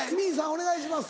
お願いします。